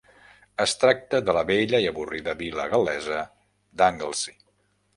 Es tracta de la bella i avorrida vila gal·lesa d'Anglesey.